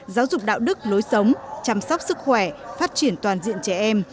giáo dục đạo đức lối sống chăm sóc sức khỏe phát triển toàn diện trẻ em